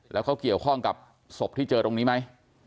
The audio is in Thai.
แล้วเขาเกี่ยวข้องกับศพที่เจอตรงนี้ไหม